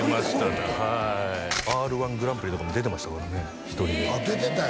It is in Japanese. Ｒ−１グランプリとかも出てましたからね１人であっ出てたんや？